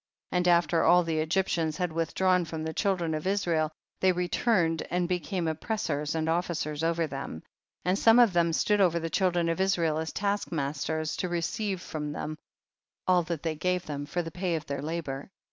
26. And after all the Egyptians had withdrawn from the children of Israel they returned and became op pressors and officers over them, and some of them stood over the children of Israel as task masters, to receive from them all that they gave them for the pay of their labour.